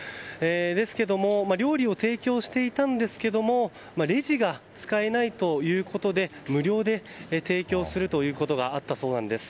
ですが料理を提供していたんですがレジが使えないということで無料で提供することがあったそうなんです。